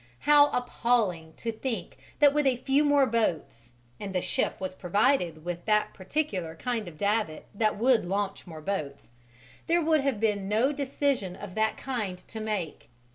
How appalling to think that with a few more boats and the ship was provided with that particular kind of davit that would launch more boats there would have been no decision of that kind to make!